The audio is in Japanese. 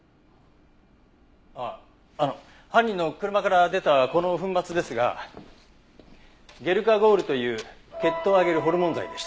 あっあの犯人の車から出たこの粉末ですがゲルカゴールという血糖を上げるホルモン剤でした。